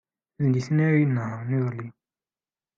D nitni ay inehṛen iḍelli.